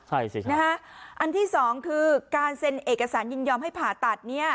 ใช่สินะฮะอันที่สองคือการเซ็นเอกสารยินยอมให้ผ่าตัดเนี่ย